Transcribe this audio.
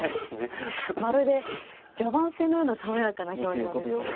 まるで序盤戦のような爽やかな表情ですけれども。